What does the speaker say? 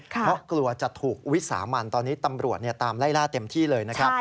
เพราะกลัวจะถูกวิสามันตอนนี้ตำรวจตามไล่ล่าเต็มที่เลยนะครับ